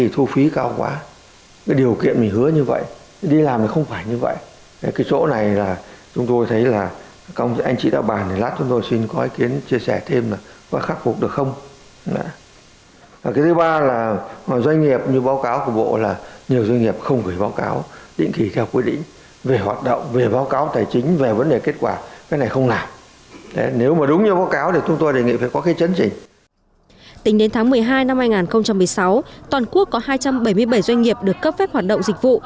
tính đến tháng một mươi hai năm hai nghìn một mươi sáu toàn quốc có hai trăm bảy mươi bảy doanh nghiệp được cấp phép hoạt động dịch vụ